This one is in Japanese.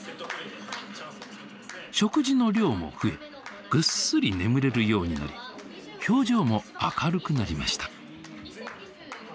食事の量も増えぐっすり眠れるようになり表情も明るくなりました。